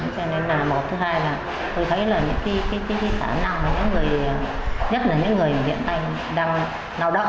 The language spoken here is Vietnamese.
cho nên là một thứ hai là tôi thấy là những cái khả năng nhất là những người hiện nay đang lao động